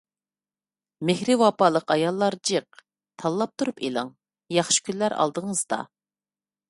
مېھرى ۋاپالىق ئاياللار جىق. تاللاپ تۇرۇپ ئېلىڭ! ياخشى كۈنلەر ئالدىڭىزدا.